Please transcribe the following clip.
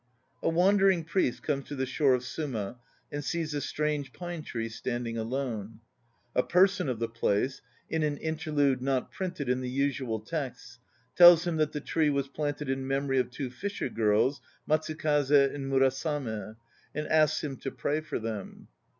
A wandering priest comes to the shore of Suma and sees a strange pine tree standing alone. A "person of the place" (in an interlude not printed in the usual texts) tells him that the tree was planted in memory of two fisher girls, Matsukaze, and Murasame, and asks him to pray for them.